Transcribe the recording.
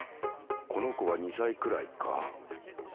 この子は２歳くらいか。